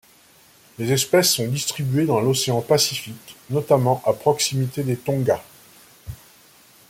Les espèces sont distribuées dans l'océan Pacifique, notamment à proximité des Tonga.